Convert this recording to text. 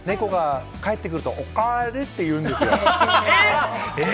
猫が帰ってくると、おかえりっていうんですよ。